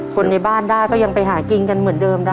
คนในบ้านได้ก็ยังไปหากินกันเหมือนเดิมได้